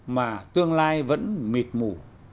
mà tương lai vẫn mệt mù